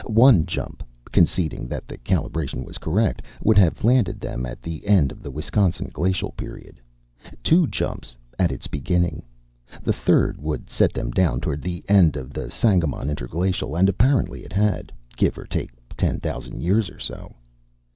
One jump (conceding that the calibration was correct) would have landed them at the end of the Wisconsin glacial period; two jumps, at its beginning. The third would set them down toward the end of the Sangamon Interglacial and apparently it had give or take ten thousand years or so.